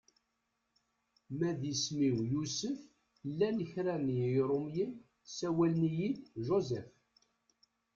Ma d isem-iw Yusef llan kra n Yirumyen sawalen-iyi-d Joseph.